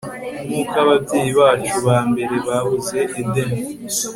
Nkuko ababyeyi bacu ba mbere babuze Edeni